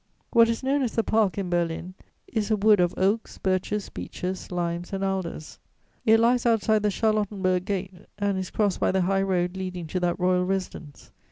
What is known as the Park, in Berlin, is a wood of oaks, birches, beeches, limes and alders. It lies outside the Charlottenburg Gate, and is crossed by the high road leading to that royal residence.